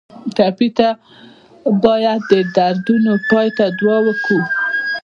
ټپي ته باید د دردونو پای ته دعا وکړو.